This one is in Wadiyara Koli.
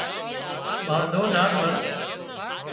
ٻانڌو نا پڻ